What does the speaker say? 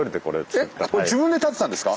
これ自分で建てたんですか？